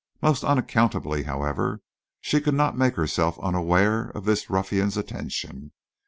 Most unaccountably, however, she could not make herself unaware of this ruffian's attention.